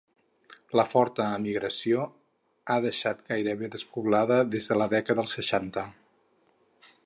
La forta emigració ha deixat gairebé despoblada des de la dècada dels seixanta.